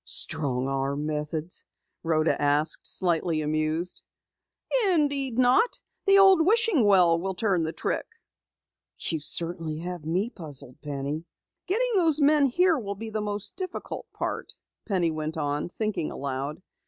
"Strong arm methods?" Rhoda asked, slightly amused. "Indeed not! The old wishing well will turn the trick." "You certainly have me puzzled, Penny." "Getting those men here will be the most difficult," Penny went on, thinking aloud.